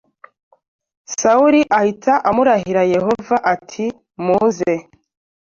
Sawuli ahita amurahira Yehova ati muze